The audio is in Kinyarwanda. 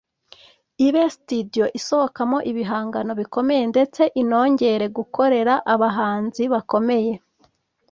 ibe studio isohokamo ibihangano bikomeye ndetse inongere gukorera abahanzi bakomeye